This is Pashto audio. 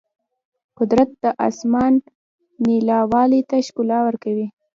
قدرت د اسمان نیلاوالي ته ښکلا ورکوي.